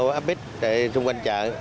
upbit để trung quanh chợ